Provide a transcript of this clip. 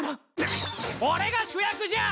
がっ俺が主役じゃ！